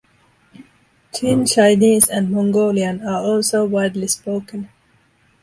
Jin Chinese and Mongolian are also widely spoken.